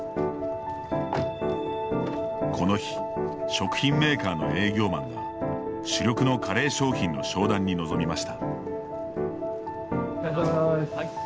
この日、食品メーカーの営業マンが、主力のカレー商品の商談に臨みました。